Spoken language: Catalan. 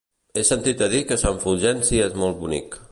He sentit a dir que Sant Fulgenci és molt bonic.